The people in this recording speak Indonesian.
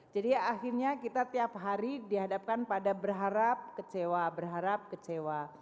jadi akhirnya kita tiap hari dihadapkan pada berharap kecewa berharap kecewa